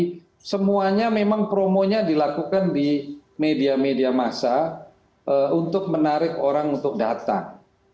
jadi semuanya memang promonya dilakukan di media media masa untuk menarik orang untuk datang